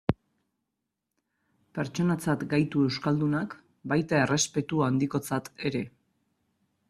Pertsonatzat gaitu euskaldunak, baita errespetu handikotzat ere.